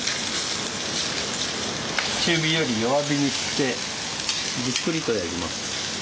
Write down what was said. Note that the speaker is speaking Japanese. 中火より弱火にしてじっくりとやります。